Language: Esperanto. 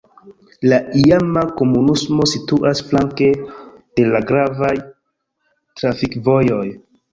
La iama komunumo situas flanke de la gravaj trafikvojoj.